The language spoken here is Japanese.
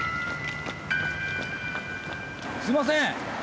すいません！